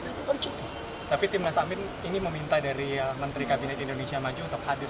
saya kan waktu itu tapi tim nasabin ini meminta dari menteri kabinet indonesia maju untuk hadir